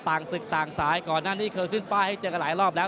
ต่างศึกต่างสายก่อนหน้านี้เคยขึ้นป้ายให้เจอกันหลายรอบแล้ว